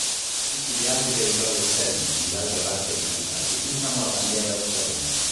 Tutti gli altri territori esterni, in larga parte disabitati, usano la bandiera australiana.